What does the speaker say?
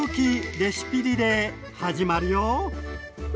レシピリレー」始まるよ。